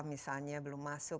misalnya belum masuk